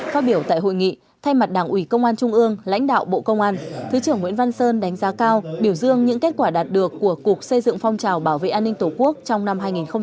phát biểu tại hội nghị thay mặt đảng ủy công an trung ương lãnh đạo bộ công an thứ trưởng nguyễn văn sơn đánh giá cao biểu dương những kết quả đạt được của cục xây dựng phong trào bảo vệ an ninh tổ quốc trong năm hai nghìn hai mươi ba